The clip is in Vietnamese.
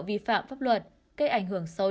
vi phạm pháp luật cây ảnh hưởng sâu